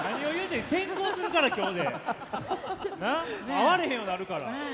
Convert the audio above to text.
会われへんようなるから。